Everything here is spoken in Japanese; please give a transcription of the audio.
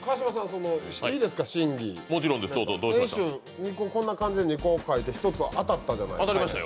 いいですかね審議、先週こんな感じで２つ書いて１つは当たったじゃないですか。